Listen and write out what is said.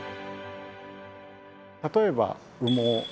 例えば羽毛。